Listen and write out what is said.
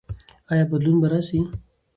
ایا بدلون به راسي؟